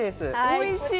おいしい！